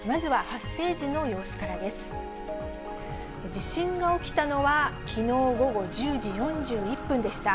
地震が起きたのは、きのう午後１０時４１分でした。